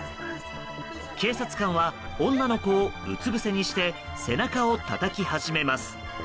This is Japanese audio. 警察官は女の子をうつぶせにして背中をたたき始めます。